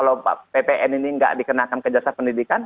kalau ppn ini nggak dikenakan ke jasa pendidikan